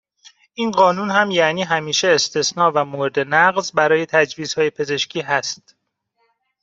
این قانون هم یعنی همیشه استثنا و مورد نقض برای تجویزهای پزشکی هست.